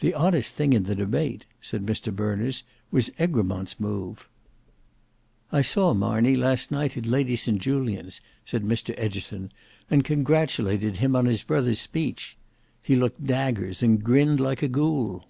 "The oddest thing in that debate," said Mr Berners, "was Egremont's move." "I saw Marney last night at Lady St Julians," said Mr Egerton, "and congratulated him on his brother's speech. He looked daggers, and grinned like a ghoul."